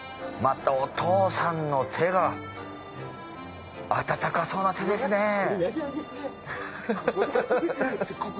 またお父さんの手が温かそうな手ですね。